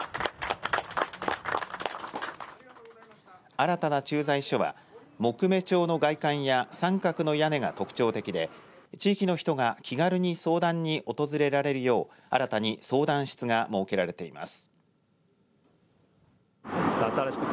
新たな駐在所は木目調の外観や三角の屋根が特徴的で地域の人が気軽に相談に訪れられるよう新たに相談室が設けられています。